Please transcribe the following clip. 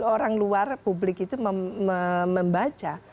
orang luar publik itu membaca